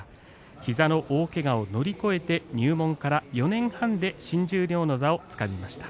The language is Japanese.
膝の大けがを乗り越えて入門から４年半で新十両の座をつかみました。